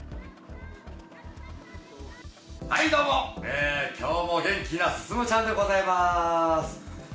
はいどうも、きょうも元気な進ちゃんでございまーす！